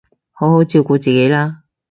好好照顧自己啦